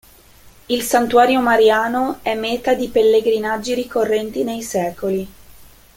Il santuario mariano è meta di pellegrinaggi ricorrenti nei secoli.